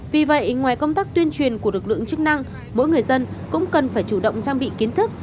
vì vậy ngoài công tác tuyên truyền của lực lượng chức năng mỗi người dân cũng cần phải chủ động trang bị kiến thức